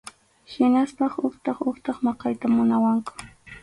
Hinaspas utqay utqay maqayta munawaqku.